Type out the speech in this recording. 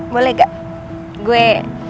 boleh gak gue